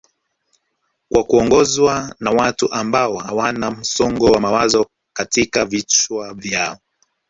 kwa kuongozwa na watu ambao hawana msongo wa mawazo katika vichwa vyao